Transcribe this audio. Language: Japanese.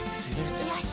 よし。